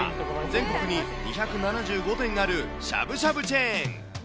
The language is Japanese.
全国に２７５店あるしゃぶしゃぶチェーン。